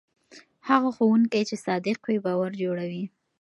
هغه ښوونکی چې صادق وي باور جوړوي.